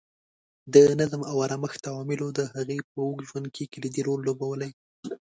د نظم او ارامښت عواملو د هغې په اوږد ژوند کې کلیدي رول لوبولی.